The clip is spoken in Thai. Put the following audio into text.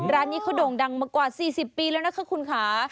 ร้านนี้เขาโด่งดังมากว่า๔๐ปีแล้วนะคะคุณค่ะ